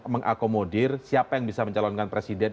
mengakomodir siapa yang bisa mencalonkan presiden